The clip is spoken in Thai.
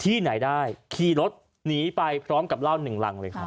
ที่ไหนได้ขี่รถหนีไปพร้อมกับร่าวหนึ่งรังเลยค่ะอ่า